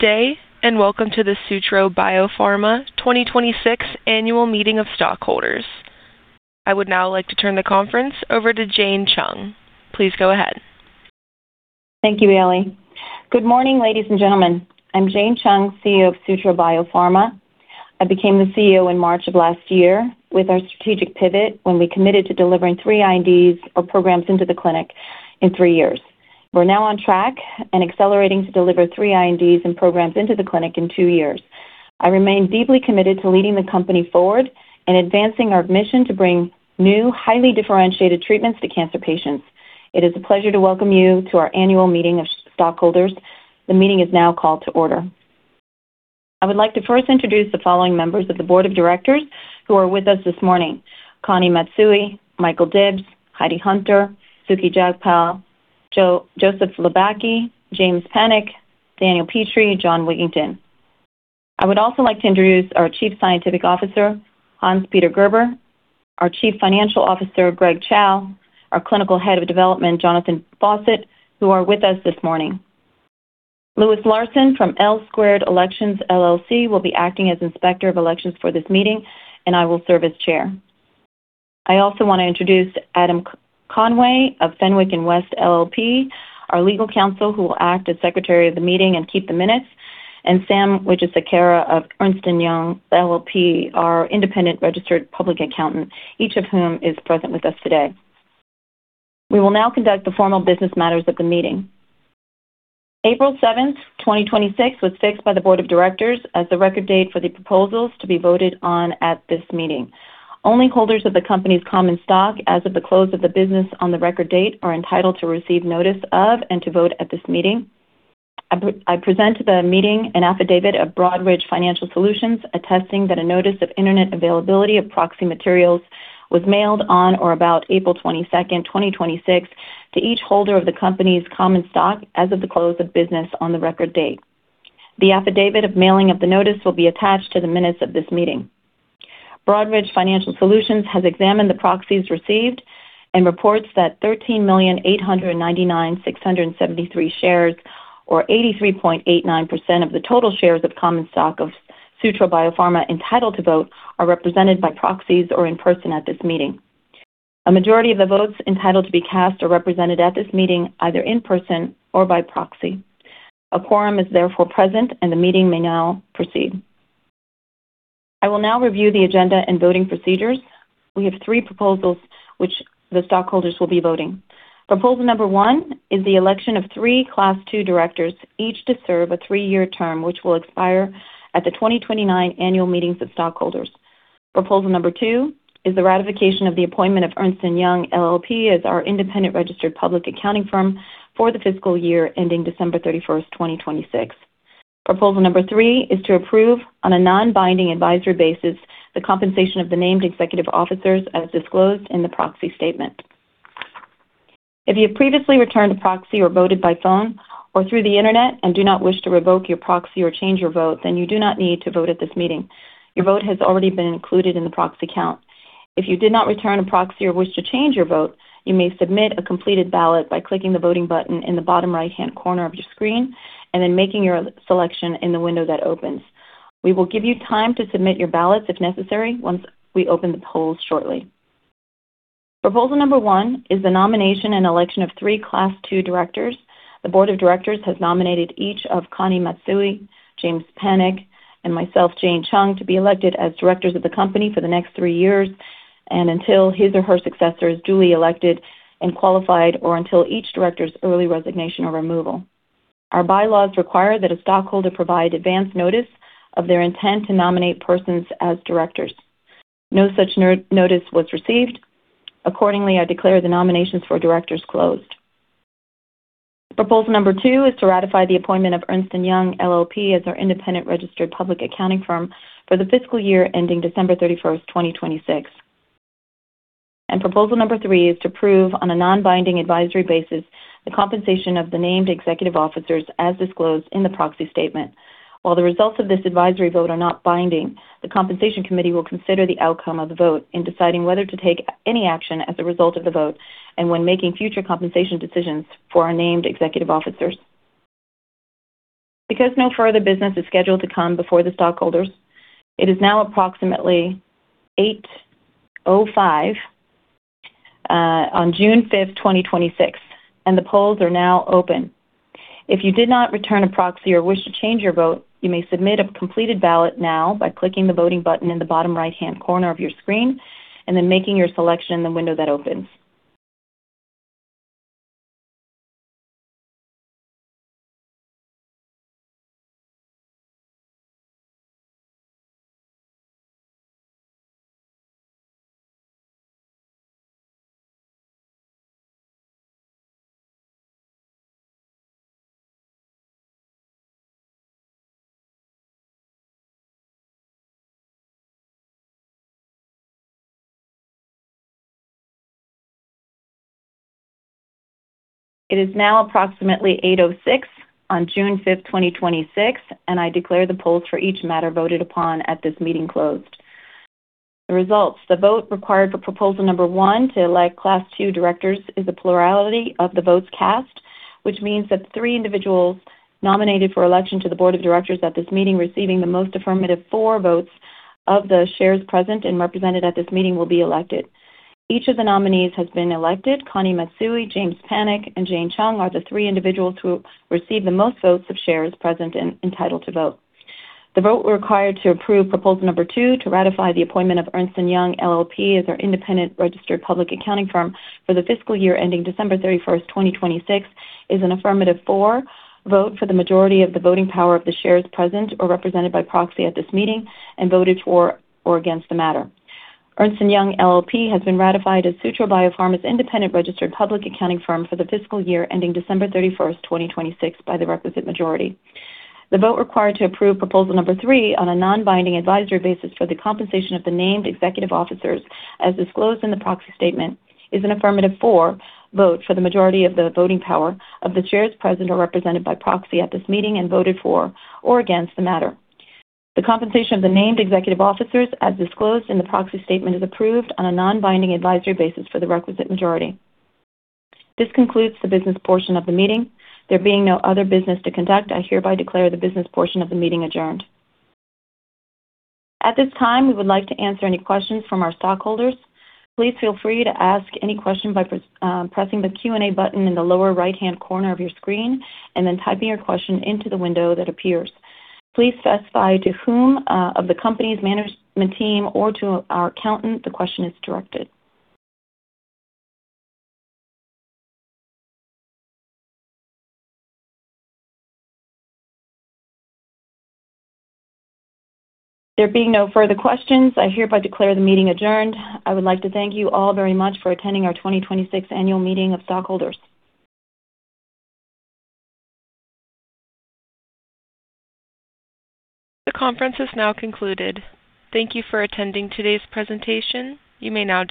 Good day, and welcome to the Sutro Biopharma 2026 Annual Meeting of Stockholders. I would now like to turn the conference over to Jane Chung. Please go ahead. Thank you, Bailey. Good morning, ladies and gentlemen. I'm Jane Chung, CEO of Sutro Biopharma. I became the CEO in March of last year with our strategic pivot when we committed to delivering three INDs or programs into the clinic in three years. We're now on track and accelerating to deliver three INDs and programs into the clinic in two years. I remain deeply committed to leading the company forward and advancing our mission to bring new, highly differentiated treatments to cancer patients. It is a pleasure to welcome you to our annual meeting of stockholders. The meeting is now called to order. I would like to first introduce the following members of the Board of Directors who are with us this morning. Connie Matsui, Michael Dybbs, Heidi Hunter, Sukhi Jagpal, Joseph Lobacki, James Panek, Daniel Petree, Jon Wigginton. I would also like to introduce our Chief Scientific Officer, Hans-Peter Gerber, our Chief Financial Officer, Greg Chow, our clinical Head of Development, Jonathan Fawcett, who are with us this morning. Lewis Larson from L Squared Elections LLC will be acting as Inspector of Elections for this meeting, and I will serve as Chair. I also want to introduce Adam Conway of Fenwick & West LLP, our Legal Counsel who will act as Secretary of the meeting and keep the minutes, and Sam Wijesekera of Ernst & Young LLP, our Independent Registered Public Accountant, each of whom is present with us today. We will now conduct the formal business matters of the meeting. April 7th, 2026, was fixed by the Board of Directors as the record date for the proposals to be voted on at this meeting. Only holders of the company's common stock as of the close of business on the record date are entitled to receive notice of and to vote at this meeting. I present to the meeting an affidavit of Broadridge Financial Solutions attesting that a notice of Internet availability of proxy materials was mailed on or about April 22nd, 2026, to each holder of the company's common stock as of the close of business on the record date. The affidavit of mailing of the notice will be attached to the minutes of this meeting. Broadridge Financial Solutions has examined the proxies received and reports that 13,899,673 shares, or 83.89% of the total shares of common stock of Sutro Biopharma entitled to vote are represented by proxies or in person at this meeting. A majority of the votes entitled to be cast are represented at this meeting, either in person or by proxy. A quorum is therefore present and the meeting may now proceed. I will now review the agenda and voting procedures. We have three proposals which the stockholders will be voting. Proposal number one is the election of three Class II Directors, each to serve a three-year term, which will expire at the 2029 Annual Meetings of Stockholders. Proposal number two is the ratification of the appointment of Ernst & Young LLP as our Independent Registered Public Accounting Firm for the fiscal year ending December 31st, 2026. Proposal number three is to approve on a non-binding advisory basis the compensation of the named Executive Officers as disclosed in the proxy statement. If you have previously returned a proxy or voted by phone or through the Internet and do not wish to revoke your proxy or change your vote, then you do not need to vote at this meeting. Your vote has already been included in the proxy count. If you did not return a proxy or wish to change your vote, you may submit a completed ballot by clicking the voting button in the bottom right-hand corner of your screen and then making your selection in the window that opens. We will give you time to submit your ballots if necessary once we open the polls shortly. Proposal number one is the nomination and election of three Class II Directors. The Board of Directors has nominated each of Connie Matsui, James Panek, and myself, Jane Chung, to be elected as Directors of the company for the next three years and until his or her successor is duly elected and qualified or until each director's early resignation or removal. Our bylaws require that a stockholder provide advance notice of their intent to nominate persons as Directors. No such notice was received. Accordingly, I declare the nominations for Directors closed. Proposal number two is to ratify the appointment of Ernst & Young LLP as our independent registered public accounting firm for the fiscal year ending December 31st, 2026. Proposal number three is to approve on a non-binding advisory basis the compensation of the named Executive Officers as disclosed in the proxy statement. While the results of this advisory vote are not binding, the compensation committee will consider the outcome of the vote in deciding whether to take any action as a result of the vote and when making future compensation decisions for our named Executive Officers. Because no further business is scheduled to come before the stockholders, it is now approximately 8:05 A.M. on June 5th, 2026, and the polls are now open. If you did not return a proxy or wish to change your vote, you may submit a completed ballot now by clicking the voting button in the bottom right-hand corner of your screen and then making your selection in the window that opens. It is now approximately 8:06 A.M. on June 5th, 2026, and I declare the polls for each matter voted upon at this meeting closed. The results. The vote required for proposal number one to elect Class II Directors is a plurality of the votes cast, which means that the three individuals nominated for election to the Board of Directors at this meeting receiving the most affirmative for votes of the shares present and represented at this meeting will be elected. Each of the nominees has been elected. Connie Matsui, James Panek, and Jane Chung are the three individuals who received the most votes of shares present and entitled to vote. The vote required to approve proposal number two to ratify the appointment of Ernst & Young LLP as our Independent Registered Public Accounting Firm for the fiscal year ending December 31st, 2026, is an affirmative for vote for the majority of the voting power of the shares present or represented by proxy at this meeting and voted for or against the matter. Ernst & Young LLP has been ratified as Sutro Biopharma's Independent Registered Public Accounting Firm for the fiscal year ending December 31st, 2026, by the requisite majority. The vote required to approve proposal number three on a non-binding advisory basis for the compensation of the named Executive Officers, as disclosed in the proxy statement, is an affirmative for vote for the majority of the voting power of the shares present or represented by proxy at this meeting and voted for or against the matter. The compensation of the named executive officers, as disclosed in the proxy statement, is approved on a non-binding advisory basis for the requisite majority. This concludes the business portion of the meeting. There being no other business to conduct, I hereby declare the business portion of the meeting adjourned. At this time, we would like to answer any questions from our stockholders Please feel free to ask any question by pressing the Q&A button in the lower right-hand corner of your screen and then typing your question into the window that appears. Please specify to whom of the company's management team or to our accountant the question is directed. There being no further questions, I hereby declare the meeting adjourned. I would like to thank you all very much for attending our 2026 annual meeting of stockholders. The conference is now concluded. Thank you for attending today's presentation. You may now disconnect.